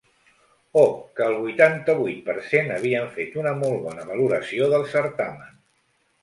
O que el vuitanta-vuit per cent havien fet una molt bona valoració del certamen.